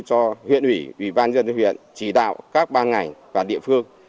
cho huyện ủy ủy ban dân huyện chỉ đạo các ban ngành và địa phương